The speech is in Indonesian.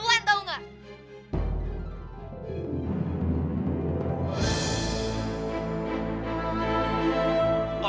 om keterlaluan tau gak